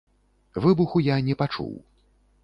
Выбуху я не пачуў.